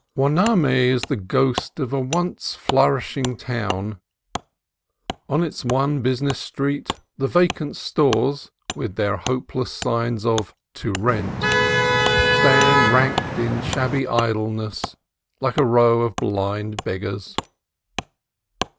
Hueneme is the ghost of a once flourishing town. On its one business street the vacant stores, with their hopeless signs of To Rent, stand ranked in shabby idleness, like a row of blind beggars.